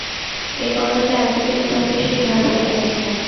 এ কথাটা এতদিন এভাবে সে ভাবিয়া দেখে নাই।